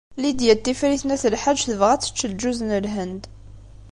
Lidya n Tifrit n At Lḥaǧ tebɣa ad tečč lǧuz n Lhend.